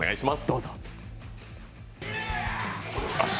どうぞ。